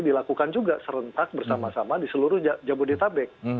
dilakukan juga serentak bersama sama di seluruh jabodetabek